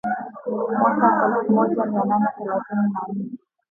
mwaka elfu moja mia nane thelathini na nne